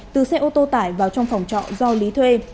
từ xe ô tô tải vào trong phòng trọ do lý thuê